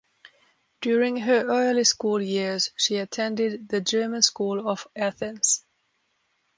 During her early school years, she attended the German School of Athens.